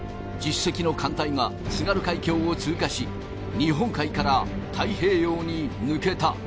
１０隻の艦隊が津軽海峡を通過し日本海から太平洋に抜けた。